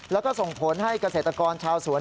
แล้วก็ส่งผลให้เกษตรกรชาวสวน